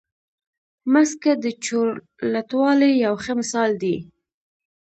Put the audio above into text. مځکه د چورلټوالي یو ښه مثال دی.